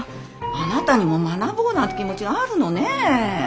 あなたにも学ぼうなんて気持ちがあるのね。